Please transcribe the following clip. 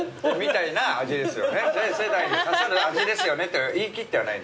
「全世代に刺さる味ですよね」って言い切ってはない。